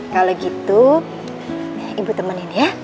kalau gitu ibu temenin ya